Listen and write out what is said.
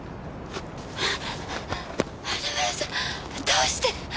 どうして。